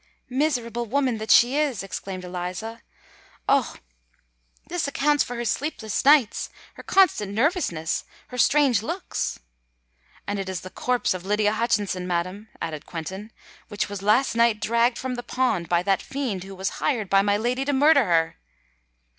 "Miserable woman that she is!" exclaimed Eliza. "Oh! this accounts for her sleepless nights—her constant nervousness—her strange looks!" "And it is the corpse of Lydia Hutchinson, madam," added Quentin, "which was last night dragged from the pond by that fiend who was hired by my lady to murder her!"